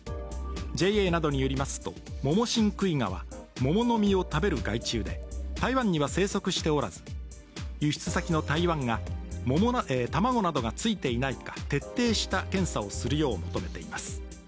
ＪＡなどによりますと、モモシンクイガは桃の実を食べる害虫で、台湾には生息しておらず輸出先の台湾が卵などがついていないか徹底した検査をするよう求めています。